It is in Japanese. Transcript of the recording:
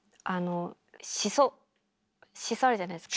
シソあるじゃないですか。